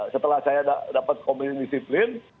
setelah saya dapat komunisi plin